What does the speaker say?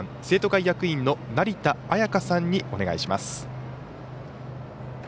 生徒会役員の成田彩花さんにお願いします。